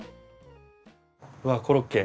うわコロッケ。